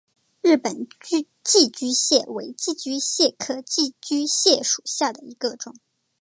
日本寄居蟹为寄居蟹科寄居蟹属下的一个种。